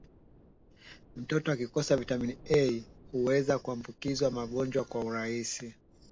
Mtoto akikosa viatamini A huweza kuambukizwa magonjwa kwa urahisi